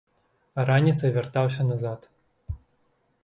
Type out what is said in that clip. А раніцай вяртаўся назад.